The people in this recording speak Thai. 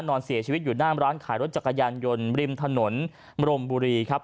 นอนเสียชีวิตอยู่หน้ามร้านขายรถจักรยานยนต์ริมถนนมรมบุรีครับ